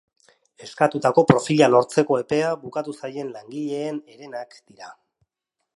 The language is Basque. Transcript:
Eskatutako profila lortzeko epea bukatu zaien langileen herenak dira.